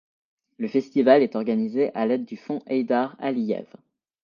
Le festival est organisé à l’aide du Fonds Heydar Aliyev.